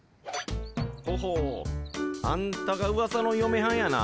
ほほうあんたがウワサのよめはんやな。